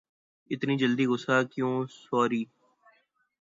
اتنی جلدی غصہ کیوں سوری